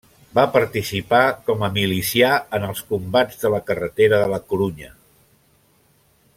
Va participar com a milicià en els combats de la carretera de La Corunya.